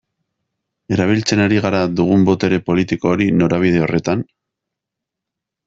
Erabiltzen ari gara dugun botere politiko hori norabide horretan?